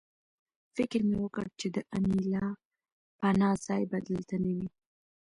فکر مې وکړ چې د انیلا پناه ځای به دلته نه وي